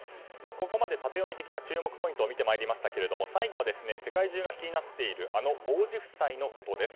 ここまでタテヨミ的な注目ポイントを見てきましたが最後は世界中が気になっているあの王子夫妻のことです。